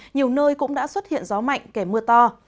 nhiều nơi cũng đã xuất hiện gió mạnh kẻ mưa to